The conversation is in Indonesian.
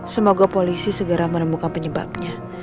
semoga polisi segera menemukan penyebabnya